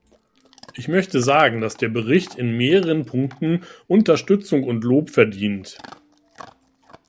Ich möchte sagen, dass der Bericht in mehreren Punkten Unterstützung und Lob verdient.